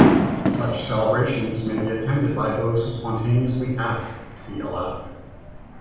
Such celebrations may be attended by those who spontaneously ask to be allowed.